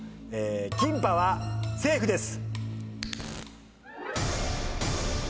キンパはセーフです。